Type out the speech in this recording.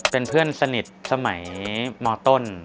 เป็นเพื่อนสนิทสมัยมต้น